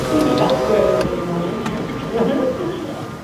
Late frosts can damage the flower buds, resulting in misshapen flowers.